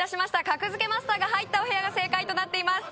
格付けマスターが入ったお部屋が正解となっています